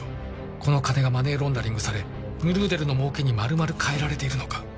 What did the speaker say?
この金がマネーロンダリングされムルーデルの儲けにまるまる変えられているのか？